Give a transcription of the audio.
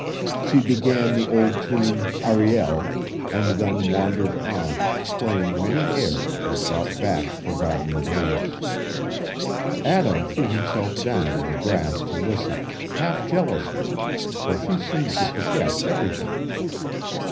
She began the old tune, "Ariel," and then wandered on, playing many airs that brought back forgotten days. Adam threw himself down on the grass to listen, half jealously, for she seemed to forget everything.